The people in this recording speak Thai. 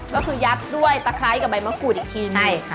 ก็คือยัดด้วยตะไคร้กับใบมะกรูดอีกทีนึง